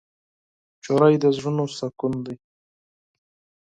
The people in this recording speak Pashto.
هلک د زړونو سکون دی.